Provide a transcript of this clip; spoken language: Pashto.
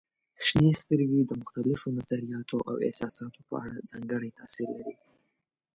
شنې سترګې د مختلفو نظریاتو او احساساتو په اړه ځانګړی تاثير لري.